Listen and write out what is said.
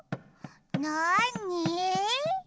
なに？